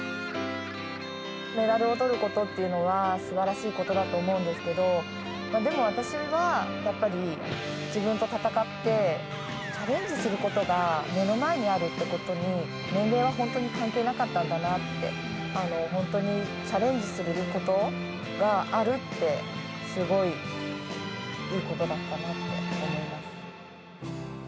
メダルをとることっていうのは、すばらしいことだと思うんですけど、でも私は、やっぱり自分と闘って、チャレンジすることが目の前にあるってことに、年齢は本当に関係なかったんだなって、本当にチャレンジすることがあるって、すごいいいことだったなって思います。